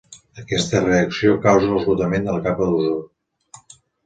Aquesta reacció causa l'esgotament de la capa d'ozó.